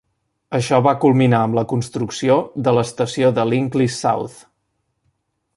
Això va culminar amb la construcció de l'estació de Llynclys South.